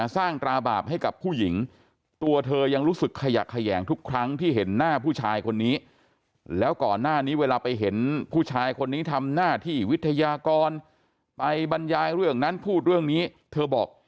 ตราบาปให้กับผู้หญิงตัวเธอยังรู้สึกขยะแขยงทุกครั้งที่เห็นหน้าผู้ชายคนนี้แล้วก่อนหน้านี้เวลาไปเห็นผู้ชายคนนี้ทำหน้าที่วิทยากรไปบรรยายเรื่องนั้นพูดเรื่องนี้เธอบอก